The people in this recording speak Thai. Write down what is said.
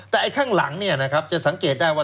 แต่ไอ้ข้างหลังเนี่ยนะครับจะสังเกตได้ว่า